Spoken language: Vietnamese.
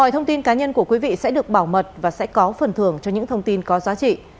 tài nhân của quý vị sẽ được bảo mật và sẽ có phần thưởng cho những thông tin có giá trị